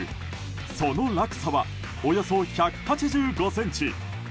その落差は、およそ１８５ｃｍ。